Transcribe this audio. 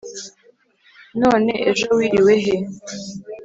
none ejo wiriwe he